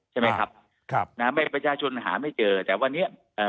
ใช่ไหมครับครับนะฮะไม่ประชาชนหาไม่เจอแต่วันนี้เอ่อ